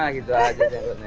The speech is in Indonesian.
gitu aja cengkurnya